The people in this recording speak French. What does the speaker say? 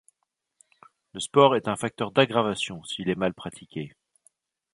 Le sport est un facteur d'aggravation s'il est mal pratiqué.